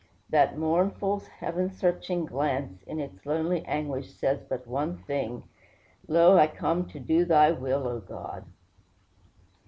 That mournful, heaven searching glance, in its lonely anguish, says but one thing: "Lo, I come to do thy will, O God."